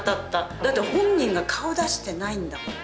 だって本人が顔出してないんだもん。